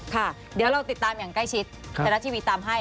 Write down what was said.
ค่ะเดี๋ยวเราติดตามอย่างใกล้ชิดไทยรัฐทีวีตามให้